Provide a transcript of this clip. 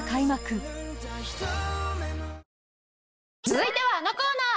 続いてはあのコーナー。